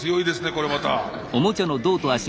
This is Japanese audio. これまた。